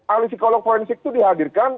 ahli psikolog forensik itu dihadirkan